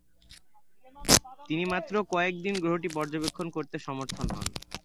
তিনি মাত্র কয়েকদিন গ্রহটি পর্যবেক্ষণ করতে সমর্থ হন।